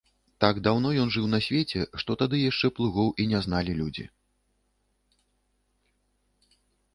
Так даўно ён жыў на свеце, што тады яшчэ плугоў і не зналі людзі.